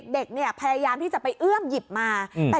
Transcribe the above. เด็กเนี่ยพยายามที่จะไปเอื้อมหยิบมา